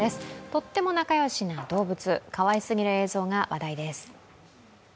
とっても仲良しな動物、かわいすぎな映像が話題です。